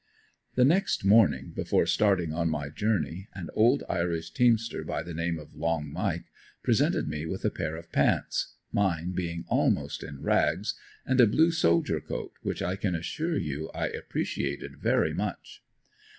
The next morning before starting on my journey, an old irish teamster by the name of "Long Mike" presented me with a pair of pants mine being almost in rags and a blue soldier coat, which I can assure you I appreciated very much.